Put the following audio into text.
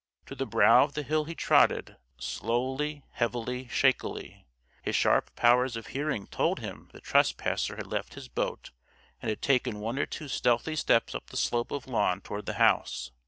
To the brow of the hill he trotted slowly, heavily, shakily. His sharp powers of hearing told him the trespasser had left his boat and had taken one or two stealthy steps up the slope of lawn toward the house.